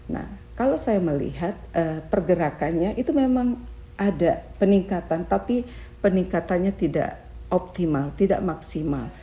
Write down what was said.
nah kalau saya melihat pergerakannya itu memang ada peningkatan tapi peningkatannya tidak optimal tidak maksimal